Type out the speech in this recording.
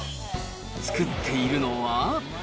作っているのは？